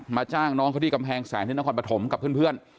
จ้างน้องเขาที่กำแพงแสนที่นครปฐมกับเพื่อน